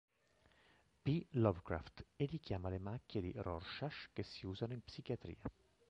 P. Lovecraft e richiama le macchie di Rorschach che si usano in psichiatria.